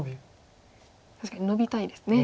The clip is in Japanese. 確かにノビたいですね。